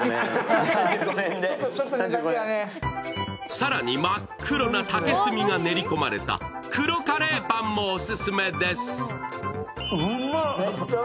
更に真っ黒な竹炭が練り込まれた黒カレーパンもオススメです。